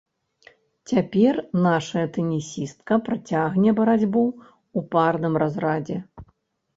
Цяпер нашая тэнісістка працягне барацьбу ў парным разрадзе.